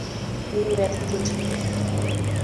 তিনি ব্যথিত ছিলেন: